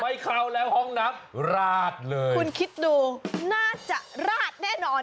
ไม่เข้าแล้วห้องน้ำราดเลยคุณคิดดูน่าจะราดแน่นอน